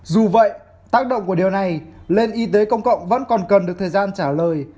dù vậy tác động của điều này lên y tế công cộng vẫn còn cần được thời gian trả lời